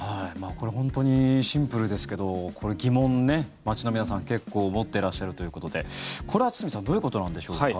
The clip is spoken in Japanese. これ、本当にシンプルですけど疑問ね、街の皆さん結構持ってらっしゃるということでこれは堤さんどういうことなんでしょうか。